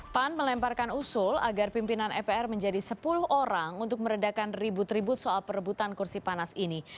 pan melemparkan usul agar pimpinan mpr menjadi sepuluh orang untuk meredakan ribut ribut soal perebutan kursi panas ini